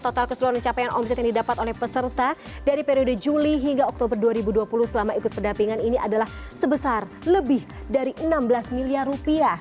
total keseluruhan capaian omset yang didapat oleh peserta dari periode juli hingga oktober dua ribu dua puluh selama ikut pendampingan ini adalah sebesar lebih dari enam belas miliar rupiah